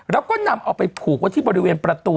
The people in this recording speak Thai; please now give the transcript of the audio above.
แล้วก็นำเอาไปผูกไว้ที่บริเวณประตู